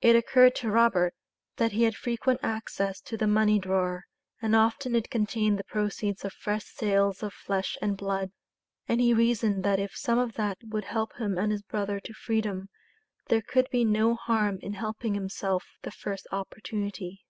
It occurred to Robert that he had frequent access to the money drawer, and often it contained the proceeds of fresh sales of flesh and blood; and he reasoned that if some of that would help him and his brother to freedom, there could be no harm in helping himself the first opportunity.